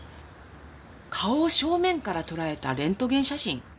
顔を正面から捉えたレントゲン写真？